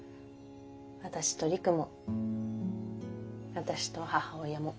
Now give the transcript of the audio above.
私と璃久も私と母親も。